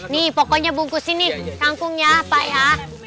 nih pokoknya bungkusin nih rangkungnya pak ya